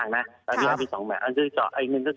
อันนี้เรียกเจาะระบายน้ำนะครับ